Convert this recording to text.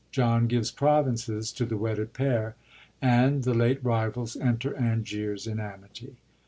John gives provinces to the wedded pair, and the late rivals enter Anglers in amity.